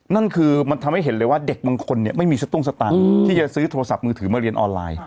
นั่นคือมันทำให้เห็นเลยว่าเด็กบางคนเนี่ยไม่มีสตุ้งสตางค์ที่จะซื้อโทรศัพท์มือถือมาเรียนออนไลน์